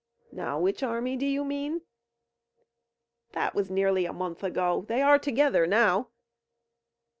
Now which army do you mean?" "That was nearly a month ago. They are together now."